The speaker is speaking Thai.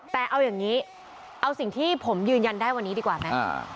แต่เอาอย่างนี้เอาสิ่งที่ผมยืนยันได้วันนี้ดีกว่าไหม